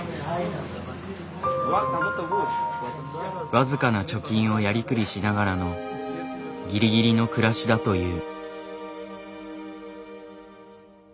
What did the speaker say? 僅かな貯金をやりくりしながらのぎりぎりの暮らしだという。